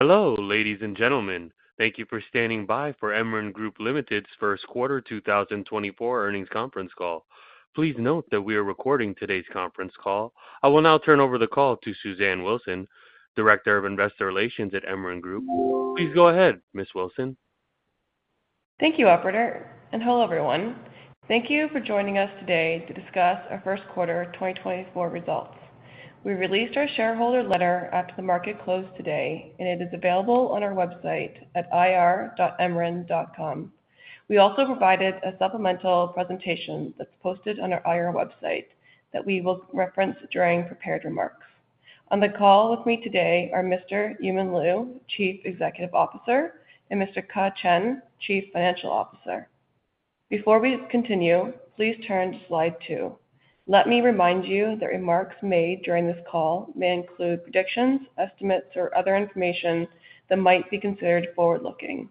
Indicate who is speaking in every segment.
Speaker 1: Hello, ladies and gentlemen. Thank you for standing by for Emeren Group Limited's first quarter 2024 earnings conference call. Please note that we are recording today's conference call. I will now turn over the call to Suzanne Wilson, Director of Investor Relations at Emeren Group. Please go ahead, Ms. Wilson.
Speaker 2: Thank you, operator, and hello, everyone. Thank you for joining us today to discuss our first quarter 2024 results. We released our shareholder letter after the market closed today, and it is available on our website at ir.emeren.com. We also provided a supplemental presentation that's posted on our IR website that we will reference during prepared remarks. On the call with me today are Mr. Yumin Liu, Chief Executive Officer, and Mr. Ke Chen, Chief Financial Officer. Before we continue, please turn to slide two. Let me remind you that remarks made during this call may include predictions, estimates, or other information that might be considered forward-looking.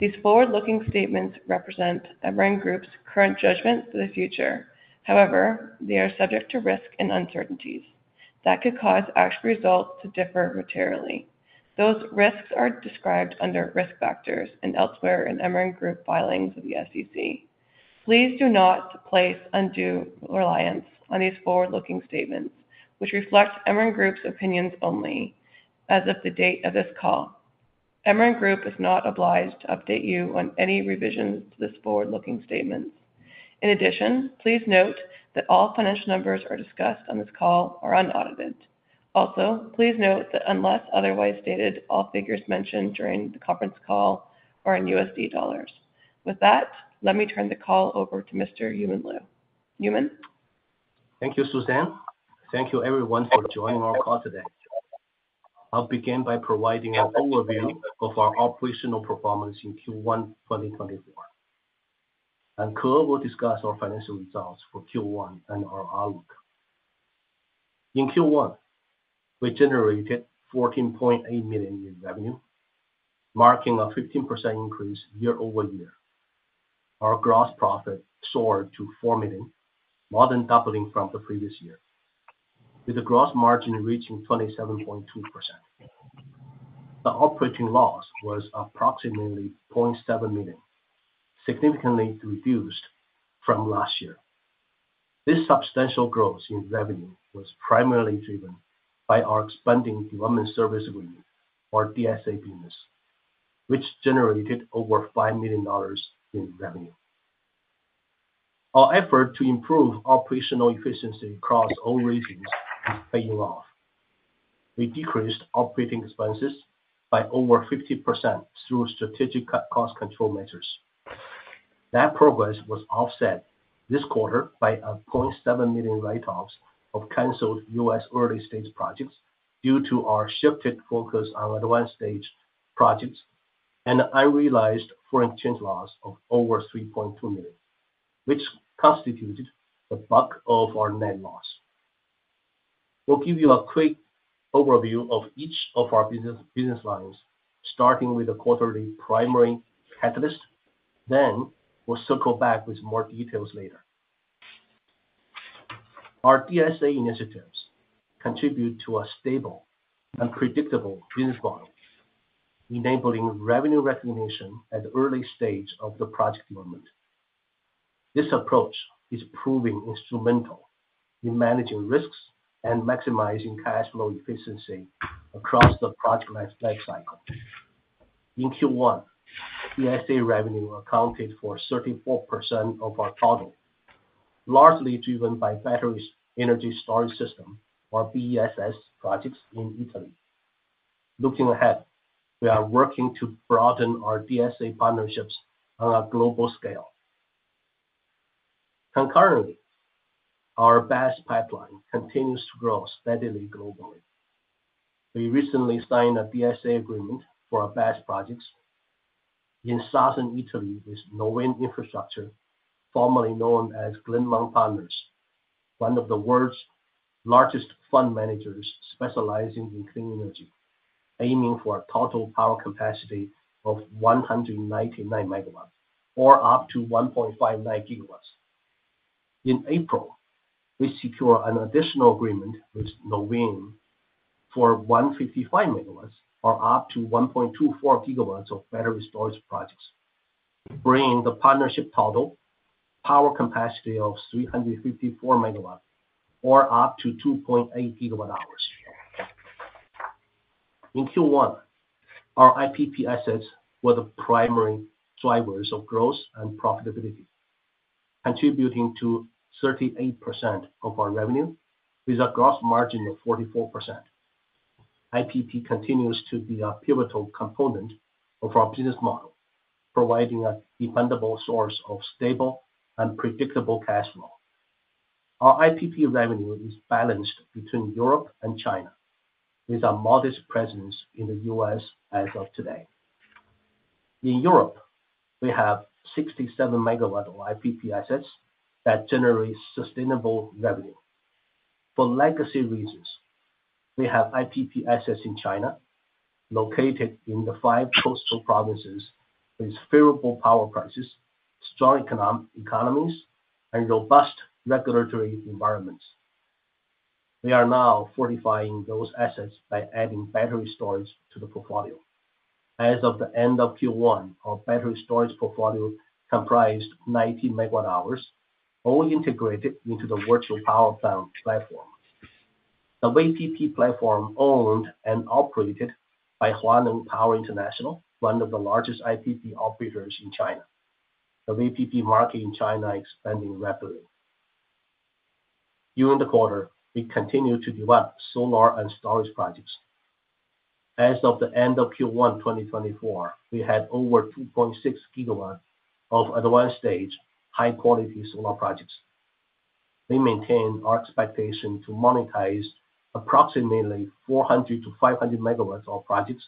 Speaker 2: These forward-looking statements represent Emeren Group's current judgment for the future. However, they are subject to risk and uncertainties that could cause actual results to differ materially. Those risks are described under Risk Factors and elsewhere in Emeren Group filings with the SEC. Please do not place undue reliance on these forward-looking statements, which reflect Emeren Group's opinions only as of the date of this call. Emeren Group is not obliged to update you on any revisions to this forward-looking statement. In addition, please note that all financial numbers are discussed on this call are unaudited. Also, please note that unless otherwise stated, all figures mentioned during the conference call are in U.S. dollars. With that, let me turn the call over to Mr. Yumin Liu. Yumin?
Speaker 3: Thank you, Suzanne. Thank you everyone for joining our call today. I'll begin by providing an overview of our operational performance in Q1 2024, and Ke will discuss our financial results for Q1 and our outlook. In Q1, we generated $14.8 million in revenue, marking a 15% increase year-over-year. Our gross profit soared to $4 million, more than doubling from the previous year, with a gross margin reaching 27.2%. The operating loss was approximately $0.7 million, significantly reduced from last year. This substantial growth in revenue was primarily driven by our expanding development service agreement, or DSA business, which generated over $5 million in revenue. Our effort to improve operational efficiency across all regions is paying off. We decreased operating expenses by over 50% through strategic cut cost control measures. That progress was offset this quarter by $0.7 million write-offs of canceled US early-stage projects due to our shifted focus on advanced-stage projects and an unrealized foreign exchange loss of over $3.2 million, which constituted the bulk of our net loss. We'll give you a quick overview of each of our business, business lines, starting with the quarterly primary catalyst, then we'll circle back with more details later. Our DSA initiatives contribute to a stable and predictable business model, enabling revenue recognition at the early stage of the project development. This approach is proving instrumental in managing risks and maximizing cash flow efficiency across the project life, life cycle. In Q1, DSA revenue accounted for 34% of our total, largely driven by Battery Energy Storage System, or BESS projects in Italy. Looking ahead, we are working to broaden our DSA partnerships on a global scale. Concurrently, our BESS pipeline continues to grow steadily globally. We recently signed a DSA agreement for our BESS projects in southern Italy with Nuveen Infrastructure, formerly known as Glennmont Partners, one of the world's largest fund managers specializing in clean energy, aiming for a total power capacity of 199 MW or up to 1.59 GW. In April, we secure an additional agreement with Nuveen for 155 MW or up to 1.24 GW of battery storage projects, bringing the partnership total power capacity of 354 MW or up to 2.8 GWh. In Q1, our IPP assets were the primary drivers of growth and profitability, contributing to 38% of our revenue with a gross margin of 44%. IPP continues to be a pivotal component of our business model, providing a dependable source of stable and predictable cash flow. Our IPP revenue is balanced between Europe and China, with a modest presence in the US as of today. In Europe, we have 67 megawatts of IPP assets that generate sustainable revenue. For legacy reasons, we have IPP assets in China, located in the five coastal provinces with favorable power prices, strong economies, and robust regulatory environments. We are now fortifying those assets by adding battery storage to the portfolio. As of the end of Q1, our battery storage portfolio comprised 90 megawatt-hours, all integrated into the virtual power plant platform. The VPP platform owned and operated by Huaneng Power International, one of the largest IPP operators in China. The VPP market in China is expanding rapidly. During the quarter, we continued to develop solar and storage projects. As of the end of Q1 2024, we had over 2.6 GW of advanced-stage, high-quality solar projects. We maintain our expectation to monetize approximately 400-500 MW of projects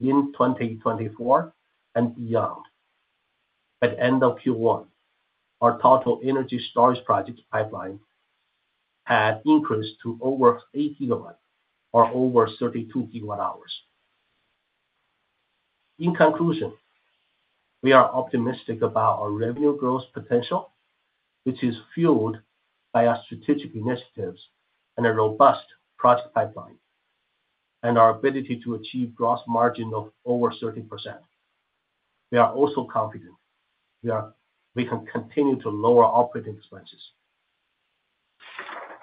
Speaker 3: in 2024 and beyond. At end of Q1, our total energy storage project pipeline had increased to over 8 GW or over 32 GWh. In conclusion, we are optimistic about our revenue growth potential, which is fueled by our strategic initiatives and a robust project pipeline, and our ability to achieve gross margin of over 13%. We are also confident we can continue to lower operating expenses.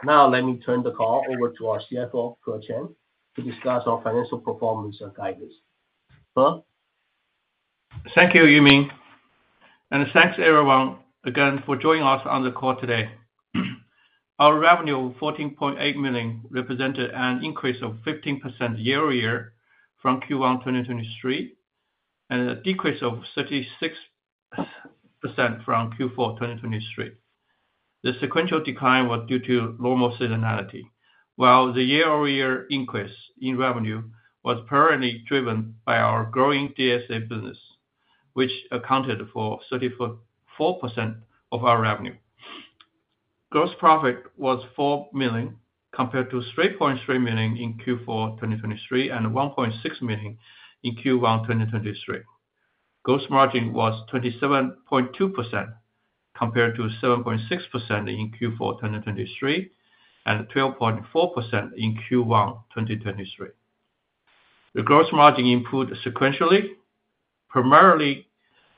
Speaker 3: Now, let me turn the call over to our CFO, Ke Chen, to discuss our financial performance and guidance. Ke?
Speaker 4: Thank you, Yumin, and thanks, everyone, again, for joining us on the call today. Our revenue of $14.8 million represented an increase of 15% year-over-year from Q1 2023, and a decrease of 36% from Q4 2023. The sequential decline was due to normal seasonality, while the year-over-year increase in revenue was primarily driven by our growing DSA business, which accounted for 34.4% of our revenue. Gross profit was $4 million, compared to $3.3 million in Q4 2023, and $1.6 million in Q1 2023. Gross margin was 27.2%, compared to 7.6% in Q4 2023, and 12.4% in Q1 2023. The gross margin improved sequentially, primarily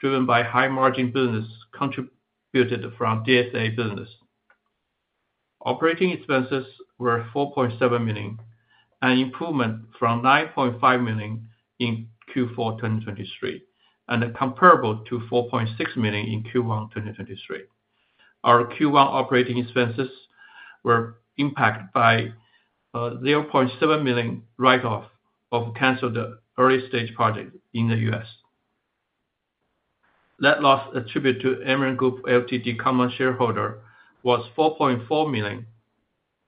Speaker 4: driven by high-margin business contributed from DSA business. Operating expenses were $4.7 million, an improvement from $9.5 million in Q4 2023, and comparable to $4.6 million in Q1 2023. Our Q1 operating expenses were impacted by $0.7 million write-off of canceled early-stage project in the U.S. Net loss attributed to Emeren Group Ltd common shareholder was $4.4 million,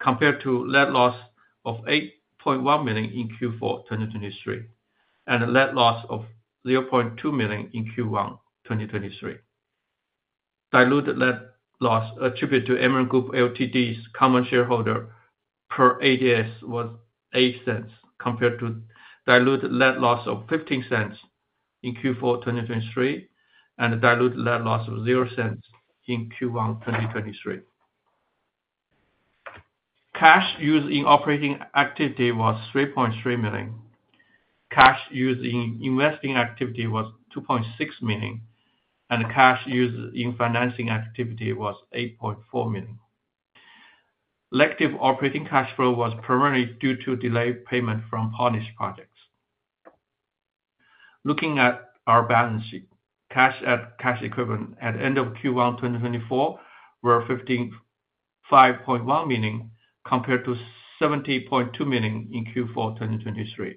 Speaker 4: compared to net loss of $8.1 million in Q4 2023, and a net loss of $0.2 million in Q1 2023. Diluted net loss attributed to Emeren Group Ltd's common shareholder per ADS was $0.08, compared to diluted net loss of $0.15 in Q4 2023, and a diluted net loss of $0.00 in Q1 2023. Cash used in operating activity was $3.3 million. Cash used in investing activity was $2.6 million, and cash used in financing activity was $8.4 million. Negative operating cash flow was primarily due to delayed payment from Huaneng projects. Looking at our balance sheet, cash and cash equivalent at end of Q1, 2024, were $155.1 million, compared to $70.2 million in Q4, 2023.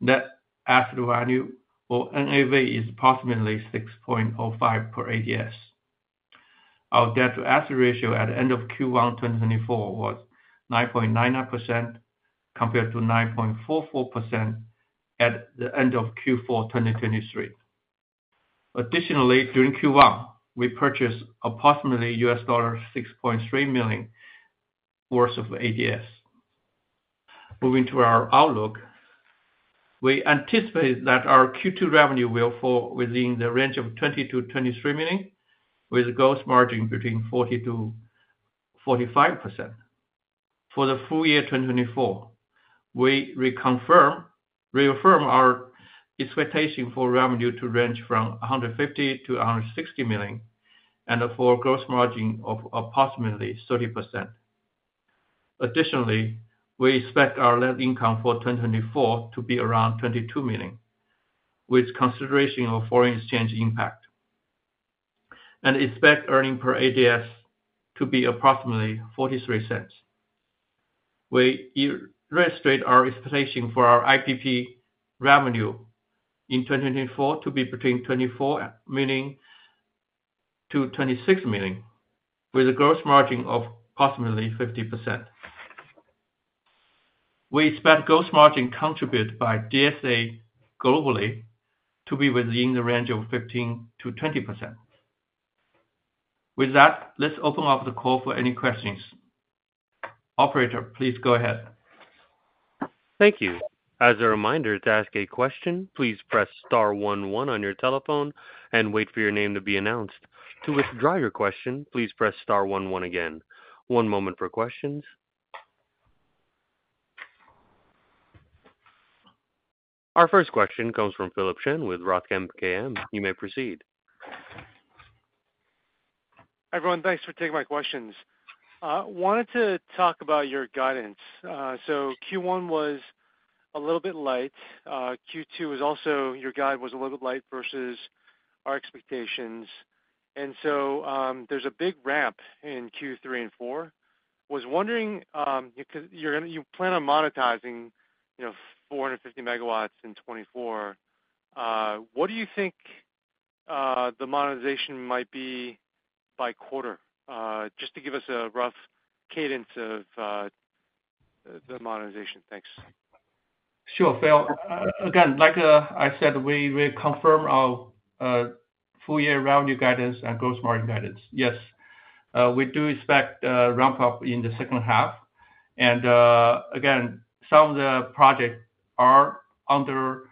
Speaker 4: Net asset value or NAV is approximately $6.05 per ADS. Our debt-to-asset ratio at the end of Q1, 2024, was 9.99%, compared to 9.44% at the end of Q4, 2023. Additionally, during Q1, we purchased approximately $6.3 million worth of ADS. Moving to our outlook, we anticipate that our Q2 revenue will fall within the range of $20 million-$23 million, with a gross margin between 40%-45%. For the full year 2024, we reaffirm our expectation for revenue to range from $150 million-$160 million, and for a gross margin of approximately 30%. Additionally, we expect our net income for 2024 to be around $22 million, with consideration of foreign exchange impact, and expect earning per ADS to be approximately $0.43. We illustrate our expectation for our IPP revenue in 2024 to be between $24 million-$26 million, with a gross margin of approximately 50%. We expect gross margin contributed by DSA globally to be within the range of 15%-20%. With that, let's open up the call for any questions. Operator, please go ahead....
Speaker 1: Thank you. As a reminder, to ask a question, please press star one one on your telephone and wait for your name to be announced. To withdraw your question, please press star one one again. One moment for questions. Our first question comes from Philip Shen with Roth MKM. You may proceed.
Speaker 5: Everyone, thanks for taking my questions. Wanted to talk about your guidance. So Q1 was a little bit light. Q2 was also, your guide was a little bit light versus our expectations, and so, there's a big ramp in Q3 and 4. Was wondering, because you're gonna, you plan on monetizing, you know, 450 megawatts in 2024. What do you think, the monetization might be by quarter? Just to give us a rough cadence of, the monetization. Thanks.
Speaker 4: Sure, Phil. Again, like I said, we confirm our full year revenue guidance and gross margin guidance. Yes, we do expect a ramp up in the second half, and again, some of the projects are under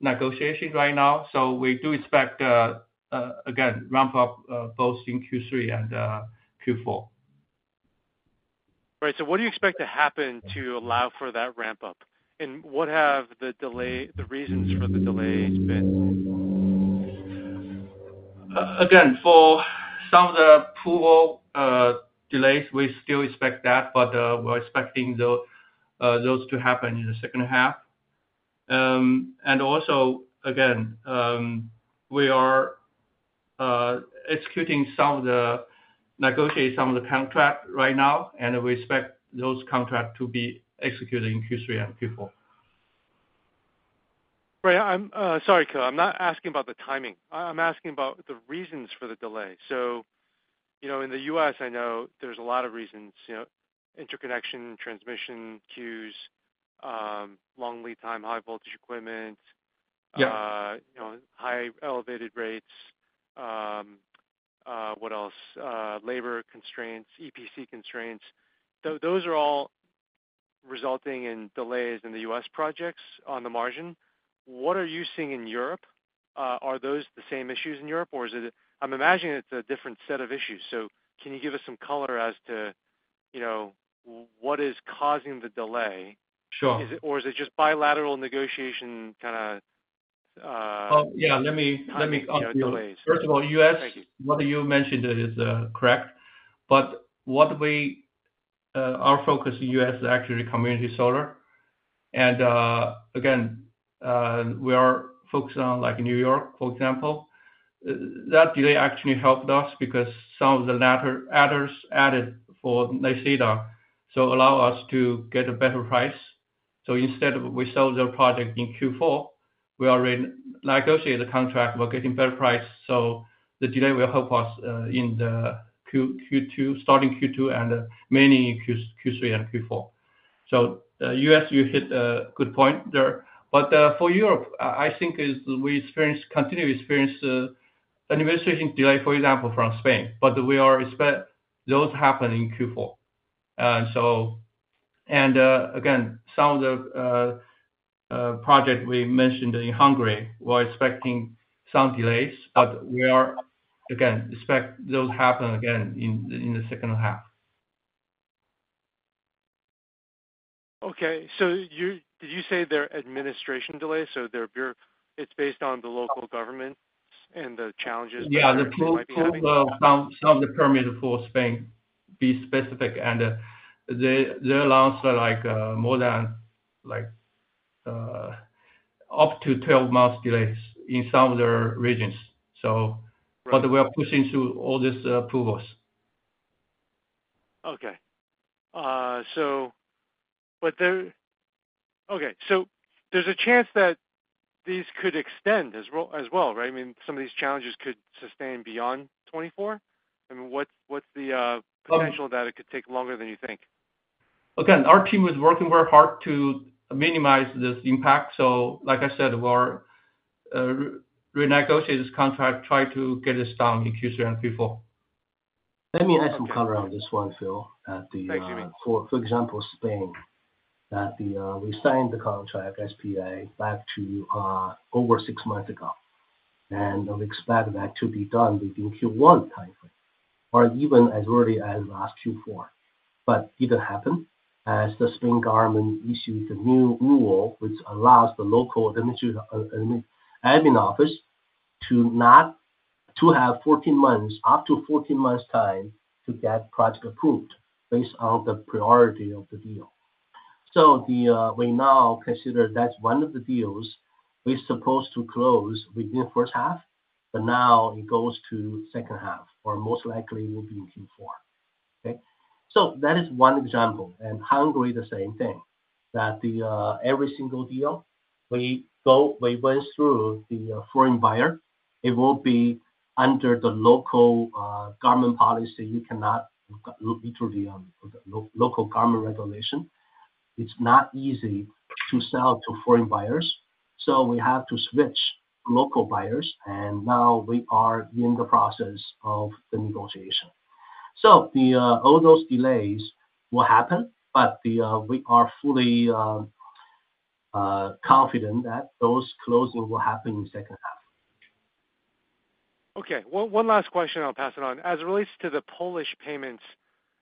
Speaker 4: negotiation right now, so we do expect again, ramp up both in Q3 and Q4.
Speaker 5: Right. So what do you expect to happen to allow for that ramp up? And what have the delay, the reasons for the delay been?
Speaker 4: Again, for some of the approval delays, we still expect that, but we're expecting those to happen in the second half. And also, again, we are negotiating some of the contracts right now, and we expect those contracts to be executed in Q3 and Q4.
Speaker 5: Right. I'm sorry, Ke, I'm not asking about the timing. I, I'm asking about the reasons for the delay. So, you know, in the U.S., I know there's a lot of reasons, you know, interconnection, transmission queues, long lead time, high voltage equipment-
Speaker 4: Yeah.
Speaker 5: You know, high elevated rates. What else? Labor constraints, EPC constraints. Those are all resulting in delays in the U.S. projects on the margin. What are you seeing in Europe? Are those the same issues in Europe, or is it... I'm imagining it's a different set of issues, so can you give us some color as to, you know, what is causing the delay?
Speaker 4: Sure.
Speaker 5: Is it, or is it just bilateral negotiation kind of,
Speaker 4: Oh, yeah. Let me...
Speaker 5: Delays.
Speaker 4: First of all, U.S.-
Speaker 5: Thank you.
Speaker 4: What you mentioned is correct, but what we, our focus in US is actually community solar. And again, we are focusing on, like, New York, for example. That delay actually helped us because some of the latter adders added for NYSERDA, so allow us to get a better price. So instead, we sell the project in Q4, we already negotiate the contract, we're getting better price, so the delay will help us in Q2, starting Q2 and mainly in Q3 and Q4. So, US, you hit a good point there, but for Europe, I think we experience, continue to experience, administration delay, for example, from Spain, but we are expect those to happen in Q4. And so, again, some of the project we mentioned in Hungary, we're expecting some delays, but we are, again, expect those happen again in the second half.
Speaker 5: Okay. So, did you say there are administrative delays, so they're bureaucratic, it's based on the local governments and the challenges they might be having?
Speaker 4: Yeah, the approvals, some of the permits for Spain, be specific, and they allow for, like, more than, like, up to 12 months delays in some of their regions, so-
Speaker 5: Right.
Speaker 4: But we are pushing through all these approvals.
Speaker 5: Okay, so there's a chance that these could extend as well, right? I mean, some of these challenges could sustain beyond 2024? I mean, what's the
Speaker 4: Um-
Speaker 5: potential that it could take longer than you think?
Speaker 4: Again, our team is working very hard to minimize this impact, so like I said, we're renegotiating this contract, try to get this done in Q3 and Q4.
Speaker 3: Let me add some color on this one, Phil, at the-
Speaker 5: Thanks, Yumin.
Speaker 3: For example, Spain, that we signed the contract, SPA, back over six months ago, and we expected that to be done within Q1 timeframe or even as early as last Q4. But it didn't happen, as the Spain government issued a new rule which allows the local admin office to have 14 months, up to 14 months time, to get project approved based on the priority of the deal. So we now consider that's one of the deals we're supposed to close within the first half, but now it goes to second half, or most likely will be in Q4. Okay? So that is one example, and Hungary, the same thing. That every single deal we go, we went through the foreign buyer, it will be under the local government policy. You cannot look into the local government regulation. It's not easy to sell to foreign buyers, so we have to switch local buyers, and now we are in the process of the negotiation. So the all those delays will happen, but the we are fully confident that those closing will happen in second half.
Speaker 5: Okay. One last question, I'll pass it on. As it relates to the Polish payments,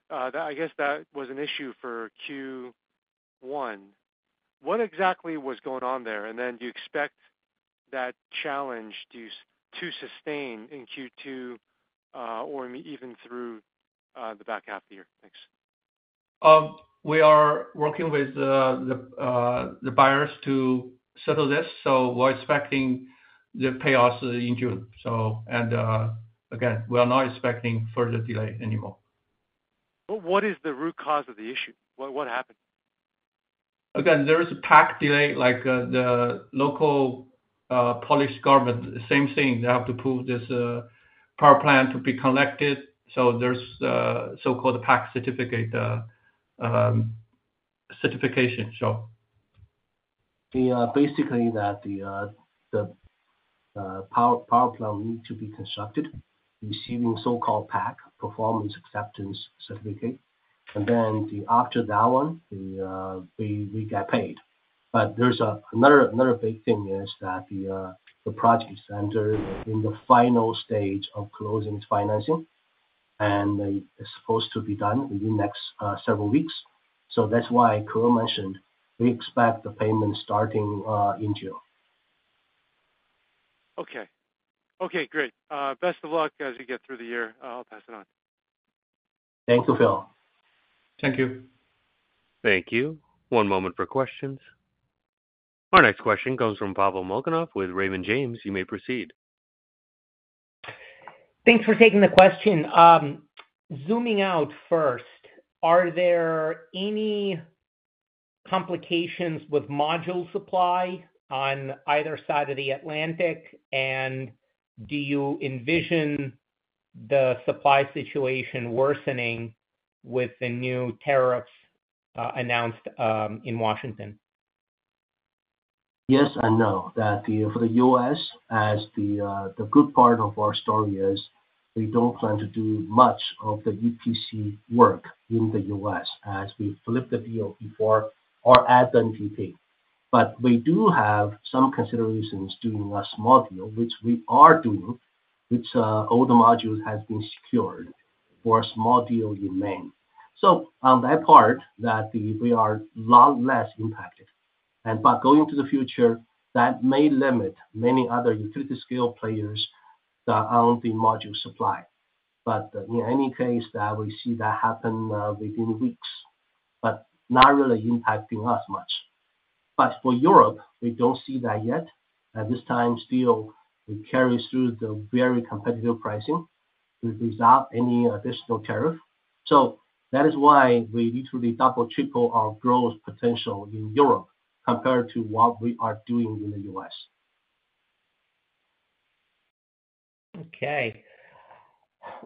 Speaker 5: I guess that was an issue for Q1. What exactly was going on there? And then do you expect that challenge to sustain in Q2, or even through the back half of the year? Thanks.
Speaker 4: We are working with the buyers to settle this, so we're expecting the payoffs in June. And again, we are not expecting further delay anymore.
Speaker 5: What is the root cause of the issue? What, what happened?
Speaker 4: Again, there is a PAC delay, like, the local Polish government, same thing. They have to prove this power plant to be connected. So there's a so-called PAC certificate, certification. So-
Speaker 3: Basically, that the power plant need to be constructed, receiving so-called PAC, Performance Acceptance Certificate. And then after that one, we get paid. But there's another big thing is that the project is entered in the final stage of closing its financing, and it's supposed to be done within the next several weeks. So that's why Ke mentioned, we expect the payment starting in June.
Speaker 5: Okay. Okay, great. Best of luck as you get through the year. I'll pass it on.
Speaker 3: Thank you, Phil.
Speaker 4: Thank you.
Speaker 1: Thank you. One moment for questions. Our next question comes from Pavel Molchanov with Raymond James. You may proceed.
Speaker 6: Thanks for taking the question. Zooming out first, are there any complications with module supply on either side of the Atlantic? And do you envision the supply situation worsening with the new tariffs announced in Washington?
Speaker 3: Yes and no. For the US, the good part of our story is we don't plan to do much of the EPC work in the US as we flip the deal before or as an NPT. But we do have some considerations doing a small deal, which we are doing, which, all the modules has been secured for a small deal in Maine. So on that part, we are lot less impacted. And but going to the future, that may limit many other utility scale players that are on the module supply. But in any case, that we see that happen, within weeks, but not really impacting us much. But for Europe, we don't see that yet. At this time, still, it carries through the very competitive pricing without any additional tariff. That is why we need to double, triple our growth potential in Europe compared to what we are doing in the US.
Speaker 6: Okay.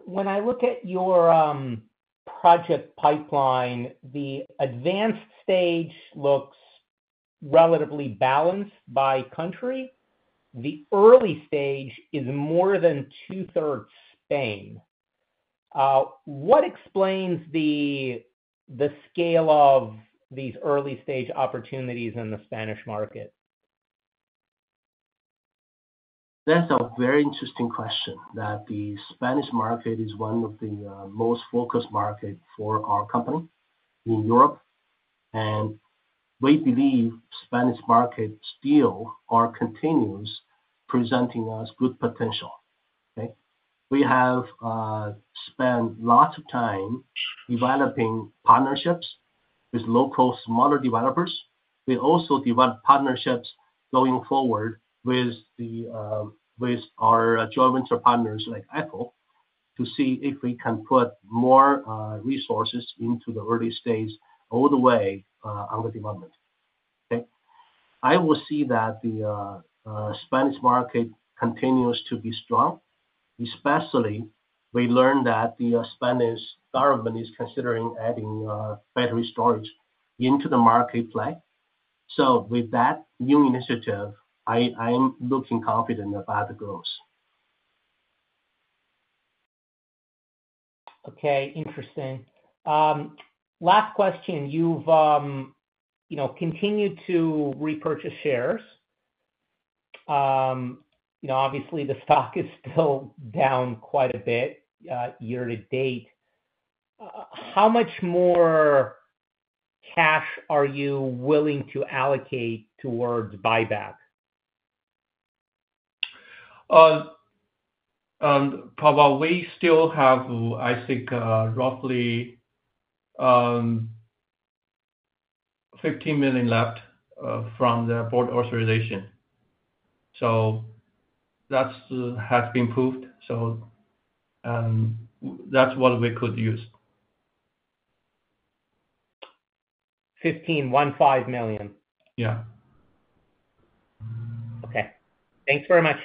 Speaker 6: When I look at your project pipeline, the advanced stage looks relatively balanced by country. The early stage is more than two-thirds Spain. What explains the scale of these early stage opportunities in the Spanish market?
Speaker 3: That's a very interesting question, that the Spanish market is one of the most focused market for our company in Europe, and we believe Spanish market still or continues presenting us good potential. Okay? We have spent lots of time developing partnerships with local, smaller developers. We also develop partnerships going forward with our joint venture partners, like Apple, to see if we can put more resources into the early stage all the way on the development. Okay? I will see that the Spanish market continues to be strong, especially we learned that the Spanish government is considering adding battery storage into the market play. So with that new initiative, I, I'm looking confident about the growth.
Speaker 6: Okay, interesting. Last question: You've, you know, continued to repurchase shares. You know, obviously, the stock is still down quite a bit, year to date. How much more cash are you willing to allocate towards buyback?
Speaker 3: Pavel, we still have, I think, roughly $15 million left from the board authorization. So that has been approved, so that's what we could use.
Speaker 6: $15.15 million?
Speaker 3: Yeah.
Speaker 6: Okay. Thanks very much.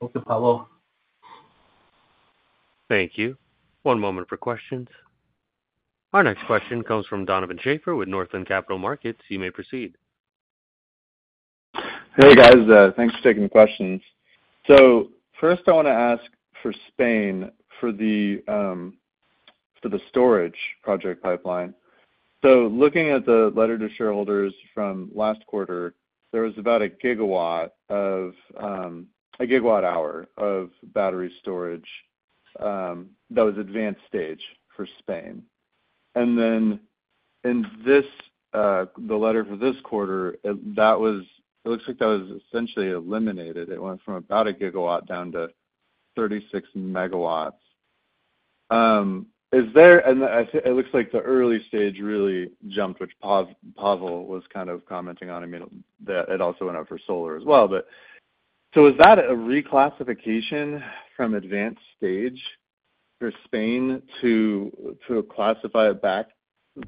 Speaker 3: Thanks, Pavel.
Speaker 1: Thank you. One moment for questions. Our next question comes from Donovan Schafer with Northland Capital Markets. You may proceed....
Speaker 7: Hey, guys, thanks for taking questions. So first I wanna ask for Spain for the, for the storage project pipeline. So looking at the letter to shareholders from last quarter, there was about 1 GW of, a 1 GWh of battery storage, that was advanced stage for Spain. And then in this, the letter for this quarter, it, that was, it looks like that was essentially eliminated. It went from about 1 GW down to 36 MW. And I, it looks like the early stage really jumped, which Pavel was kind of commenting on. I mean, that it also went up for solar as well. But, so is that a reclassification from advanced stage for Spain to, to classify it back,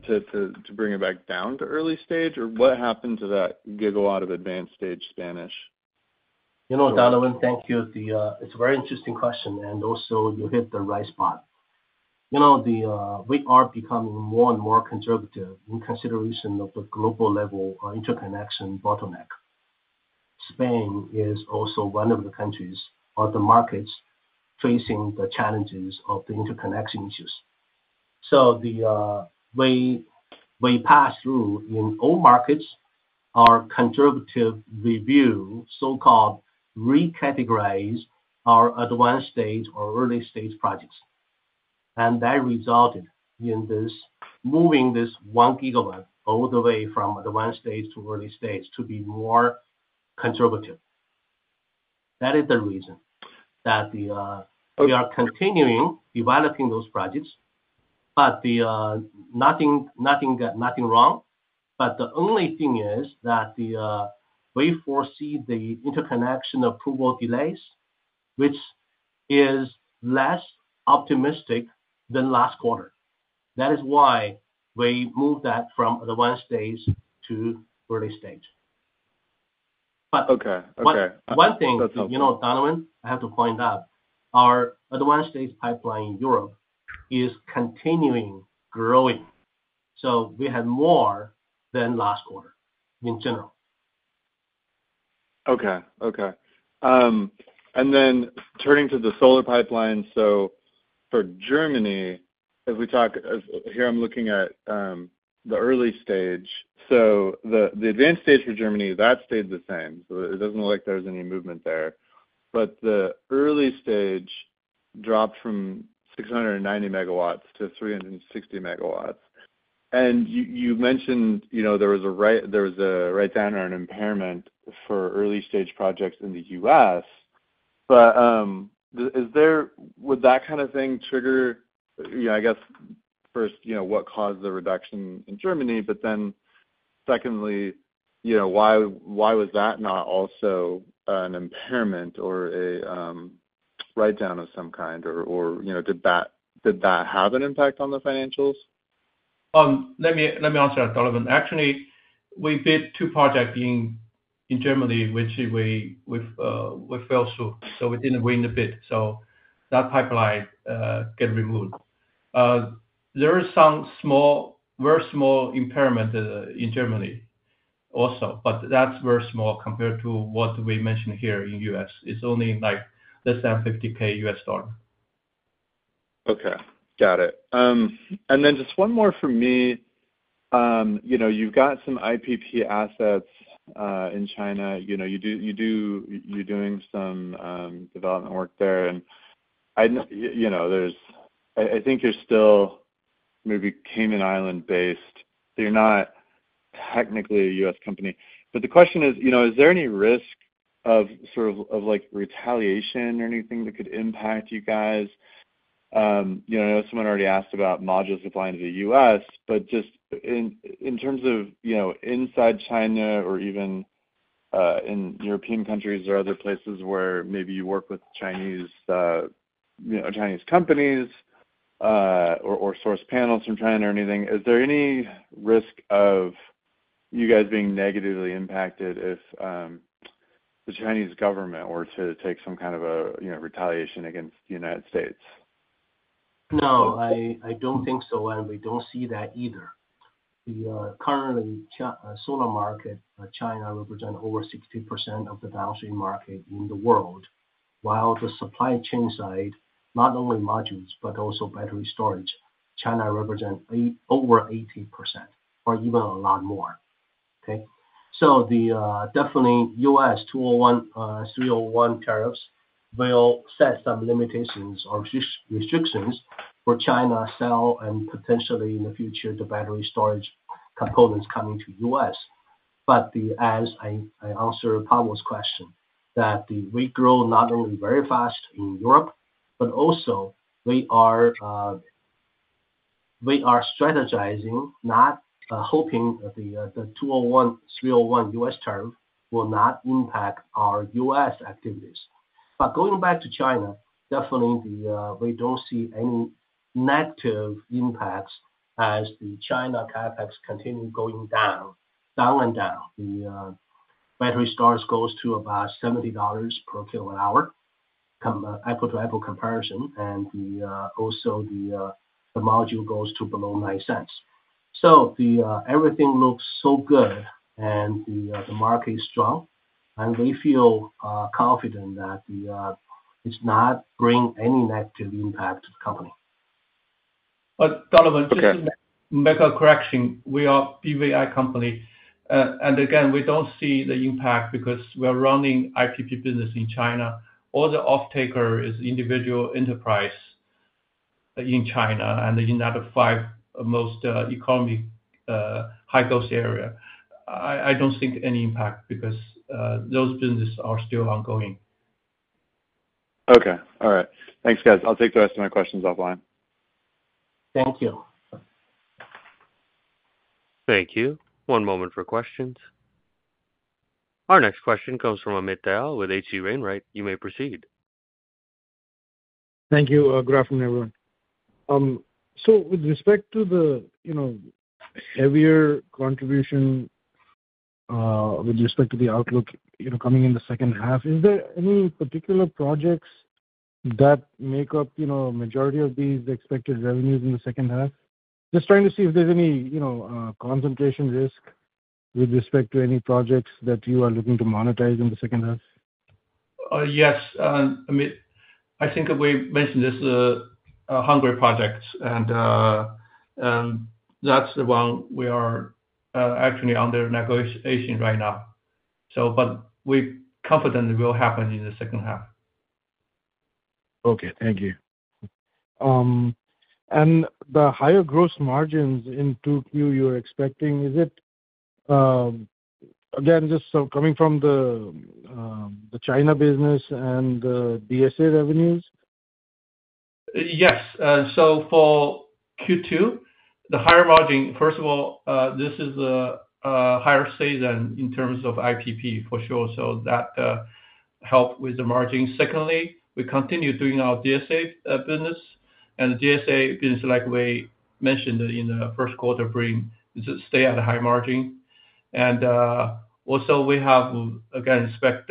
Speaker 7: to, to, to bring it back down to early stage? Or what happened to that gigawatt of advanced stage Spanish?
Speaker 3: You know, Donovan, thank you. It's a very interesting question, and also you hit the right spot. You know, we are becoming more and more conservative in consideration of the global level interconnection bottleneck. Spain is also one of the countries or the markets facing the challenges of the interconnection issues. So we pass through, in all markets, our conservative review, so-called recategorize, our advanced stage or early stage projects. And that resulted in this, moving this 1 gigawatt all the way from advanced stage to early stage to be more conservative. That is the reason that we are continuing developing those projects, but nothing wrong. But the only thing is that we foresee the interconnection approval delays, which is less optimistic than last quarter. That is why we moved that from advanced stage to early stage. But-
Speaker 7: Okay. Okay.
Speaker 3: One thing-
Speaker 7: Okay.
Speaker 3: You know, Donovan, I have to point out, our advanced stage pipeline in Europe is continuing growing, so we have more than last quarter in general.
Speaker 7: Okay, okay. And then turning to the solar pipeline, so for Germany, as I'm looking at the early stage. So the advanced stage for Germany stayed the same, so it doesn't look like there's any movement there. But the early stage dropped from 690 megawatts to 360 megawatts. And you mentioned, you know, there was a write-down or an impairment for early-stage projects in the U.S. But is there... Would that kind of thing trigger, you know, I guess, first, you know, what caused the reduction in Germany? But then secondly, you know, why was that not also an impairment or a write-down of some kind? Or, you know, did that have an impact on the financials?
Speaker 4: Let me, let me answer that, Donovan. Actually, we bid two project in Germany, which fell through, so we didn't win the bid, so that pipeline get removed. There is some small, very small impairment in Germany also, but that's very small compared to what we mentioned here in U.S. It's only like less than $50,000.
Speaker 7: Okay, got it. And then just one more from me. You know, you've got some IPP assets in China. You know, you do, you do, you're doing some development work there. And I know, you know, there's, I think you're still maybe Cayman Islands based, so you're not technically a U.S. company. But the question is, you know, is there any risk of sort of, of like retaliation or anything that could impact you guys? You know, I know someone already asked about modules applying to the US, but just in terms of, you know, inside China or even in European countries or other places where maybe you work with Chinese, you know, Chinese companies, or source panels from China or anything, is there any risk of you guys being negatively impacted if the Chinese government were to take some kind of a, you know, retaliation against the United States?
Speaker 3: No, I, I don't think so, and we don't see that either. The currently, China solar market, China represent over 60% of the downstream market in the world, while the supply chain side, not only modules, but also battery storage, China represent over 80% or even a lot more, okay? So the definitely U.S. 201, 301 tariffs will set some limitations or restrictions for China sell and potentially in the future, the battery storage components coming to U.S. But as I answer Pavel's question, that we grow not only very fast in Europe, but also we are, we are strategizing, not hoping that the 201, 301 U.S. tariff will not impact our U.S. activities. But going back to China, definitely we don't see any negative impacts as the China CapEx continue going down, down and down. The battery storage goes to about $70 per kWh for an apple-to-apple comparison and also the module goes to below $0.09. So everything looks so good, and the market is strong, and we feel confident that it's not bringing any negative impact to the company.
Speaker 4: But Donovan, just make a correction. We are BVI company. And again, we don't see the impact because we're running IPP business in China. All the offtaker is individual enterprise in China and in out of five most economic high-cost area. I don't think any impact because those businesses are still ongoing.
Speaker 7: Okay. All right. Thanks, guys. I'll take the rest of my questions offline.
Speaker 4: Thank you.
Speaker 1: Thank you. One moment for questions. Our next question comes from Amit Dayal with H.C. Wainwright. You may proceed.
Speaker 8: Thank you. Good afternoon, everyone. So with respect to the, you know, heavier contribution, with respect to the outlook, you know, coming in the second half, is there any particular projects that make up, you know, majority of these expected revenues in the second half? Just trying to see if there's any, you know, concentration risk with respect to any projects that you are looking to monetize in the second half.
Speaker 4: Yes, Amit, I think we've mentioned this Hungary project, and that's the one we are actually under negotiation right now. So, but we confidently will happen in the second half.
Speaker 8: Okay. Thank you. And the higher gross margins in Q2 you're expecting, is it, again, just so coming from the China business and the DSA revenues?
Speaker 4: Yes. So for Q2, the higher margin, first of all, this is a higher season in terms of IPP, for sure, so that help with the margin. Secondly, we continue doing our DSA business, and the DSA business, like we mentioned in the first quarter, bring, stay at a high margin. And also we have, again, expect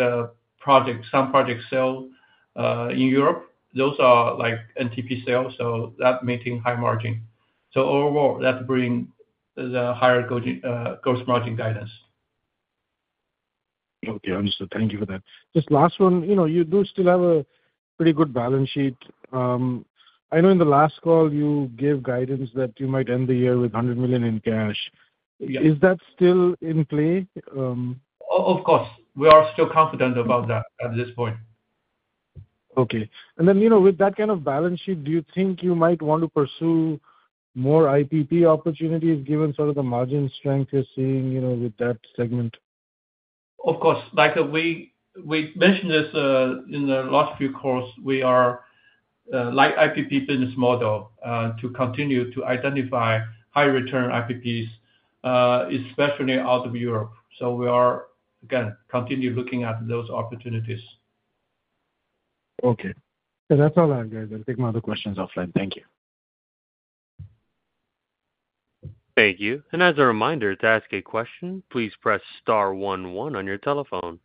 Speaker 4: project, some project sale in Europe. Those are like NTP sales, so that maintain high margin. So overall, that bring the higher gross margin, gross margin guidance.
Speaker 8: Okay, understood. Thank you for that. Just last one, you know, you do still have a pretty good balance sheet. I know in the last call, you gave guidance that you might end the year with $100 million in cash.
Speaker 4: Yeah.
Speaker 8: Is that still in play?
Speaker 4: Of course, we are still confident about that at this point.
Speaker 8: Okay. Then, you know, with that kind of balance sheet, do you think you might want to pursue more IPP opportunities, given sort of the margin strength you're seeing, you know, with that segment?
Speaker 4: Of course. Like we mentioned this in the last few calls, we are like IPP business model to continue to identify high return IPPs, especially out of Europe. So we are again continue looking at those opportunities.
Speaker 8: Okay. So that's all I have, guys. I'll take my other questions offline. Thank you.
Speaker 1: Thank you. As a reminder, to ask a question, please press star one one on your telephone.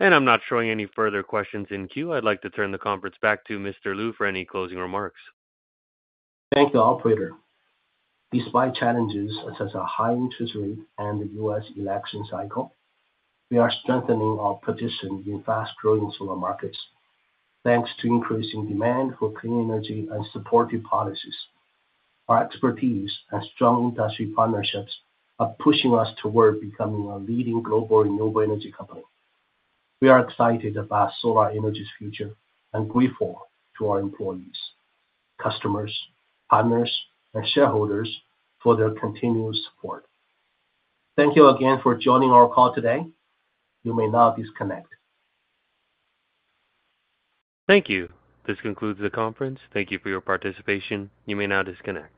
Speaker 1: I'm not showing any further questions in queue. I'd like to turn the conference back to Mr. Liu for any closing remarks.
Speaker 3: Thank you, operator. Despite challenges such as a high interest rate and the U.S. election cycle, we are strengthening our position in fast-growing solar markets, thanks to increasing demand for clean energy and supportive policies. Our expertise and strong industry partnerships are pushing us toward becoming a leading global renewable energy company. We are excited about solar energy's future, and grateful to our employees, customers, partners, and shareholders for their continuous support. Thank you again for joining our call today. You may now disconnect.
Speaker 1: Thank you. This concludes the conference. Thank you for your participation. You may now disconnect.